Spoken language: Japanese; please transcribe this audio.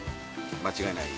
間違いない？